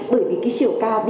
bởi vì cái chiều cao